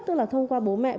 tức là thông qua bố mẹ